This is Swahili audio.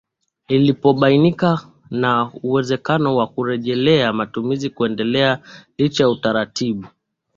inapobainika na uwezekano wa kurejelea matumizi kuendelea lichaUtaratibu